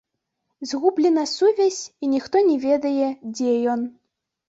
Згублена сувязь, і ніхто не ведае, дзе ён.